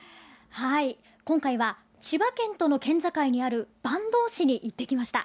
今回は千葉県との県境にある坂東市に行ってきました。